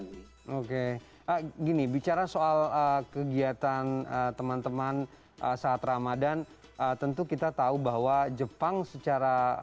hai oke gini bicara soal kegiatan teman teman saat ramadan tentu kita tahu bahwa jepang secara